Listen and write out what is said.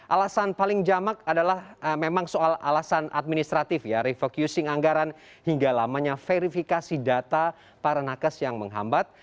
alasan paling jamak adalah memang soal alasan administratif ya refocusing anggaran hingga lamanya verifikasi data para nakes yang menghambat